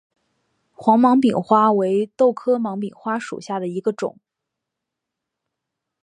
黄芒柄花为豆科芒柄花属下的一个种。